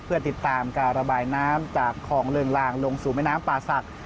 เพื่อติดตามการระบายน้ำจากคลองเริงลางลงสู่แม่น้ำป่าศักดิ์